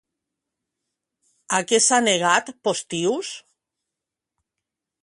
A què s'ha negat Postius?